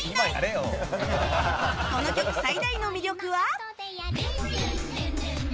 この曲最大の魅力は。